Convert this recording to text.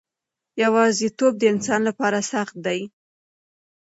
یوازیتوب د انسان لپاره سخت دی.